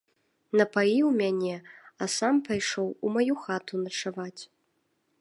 Напаіў мяне, а сам пайшоў у маю хату начаваць.